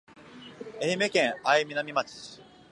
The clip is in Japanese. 愛媛県愛南町